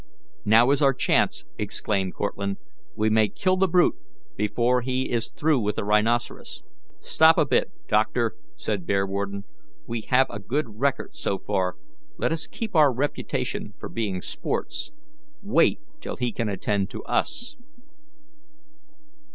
"Now is our chance," exclaimed Cortlandt; "we may kill the brute before he is through with the rhinoceros." "Stop a bit, doctor," said Bearwarden. "We have a good record so far; let us keep up our reputation for being sports. Wait till he can attend to us."